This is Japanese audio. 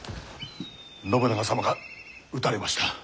信長様が討たれました。